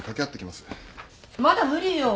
まだ無理よ。